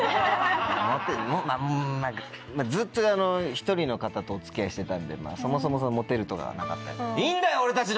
うんずっと１人の方とお付き合いしてたんでそもそもモテるとかなかった。